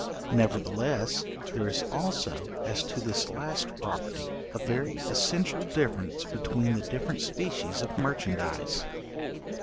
Nevertheless there is also, as to this last property, a very essential difference between the different species of merchandize.